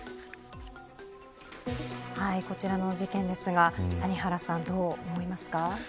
こちらの事件ですが、谷原さんどう思いますか。